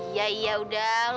ya ya sudah